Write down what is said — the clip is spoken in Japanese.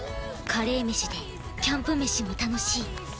カレーメシでキャンプ飯も楽しい！